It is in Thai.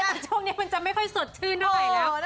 โอ้ยแต่ช่วงนี้มันจะไม่ค่อยสดชื่นด้วยเลย